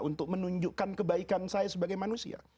untuk menunjukkan kebaikan saya sebagai manusia